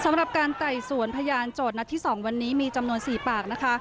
สำหรับการไต่สวนพยานโจทย์นัดที่๒วันนี้มีจำนวน๔ปากนะคะ